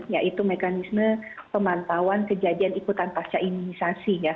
yaitu mekanisme pemantauan kejadian ikutan pasca imunisasi ya